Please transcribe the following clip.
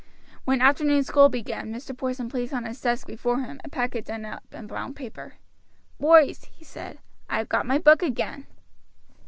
When afternoon school began Mr. Porson placed on the desk before him a packet done up in brown paper. "Boys," he said, "I have got my book again."